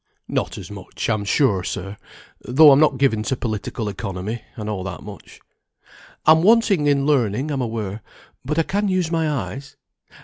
"Not as much, I'm sure, sir; though I'm not given to Political Economy, I know that much. I'm wanting in learning, I'm aware; but I can use my eyes.